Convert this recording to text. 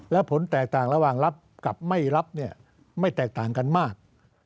และผลแตกต่างระหว่างรับกับไม่รับเนี่ยไม่แตกต่างกันมาก